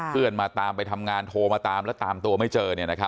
เพื่อนมาตามไปทำงานโทรมาตามแล้วตามตัวไม่เจอ